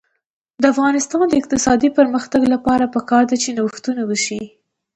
د افغانستان د اقتصادي پرمختګ لپاره پکار ده چې نوښتونه وشي.